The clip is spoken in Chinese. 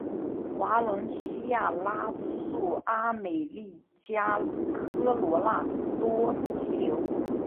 华伦西亚拉素阿美利加科罗拉多急流